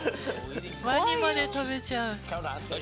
ワニまで食べちゃう。